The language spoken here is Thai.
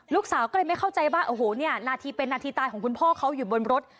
ลูกสาวก็เลยไม่เข้าใจว่าโอ้โหเนี่ยนาทีเป็นนาทีตายของคุณพ่อเขาอยู่บนรถ